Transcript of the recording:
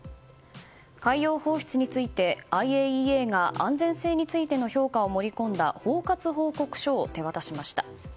海洋放出についてＩＡＥＡが安全性についての評価を盛り込んだ包括報告書を手渡しました。